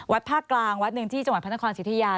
ภาคกลางวัดหนึ่งที่จังหวัดพระนครสิทธิยา